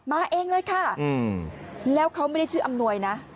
มาเองเลยค่ะแล้วเขาไม่ได้ชื่ออำนวยนะ